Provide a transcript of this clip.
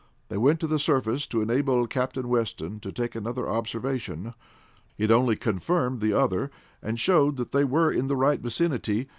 They went to the surface to enable Captain Weston to take another observation. It only confirmed the other, and showed that they were in the right vicinity.